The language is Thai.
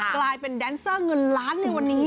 กลายเป็นแดนเซอร์เงินล้านในวันนี้